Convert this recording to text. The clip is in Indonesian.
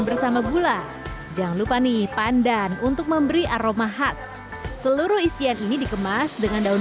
bersama gula jangan lupa nih pandan untuk memberi aroma khas seluruh isian ini dikemas dengan daun